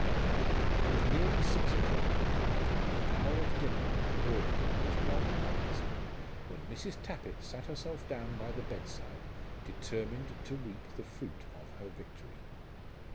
It was nearly six o'clock, and the hour of dinner at the brewery was long passed, when Mrs. Tappitt sat herself down by the bedside determined to reap the fruit of her victory.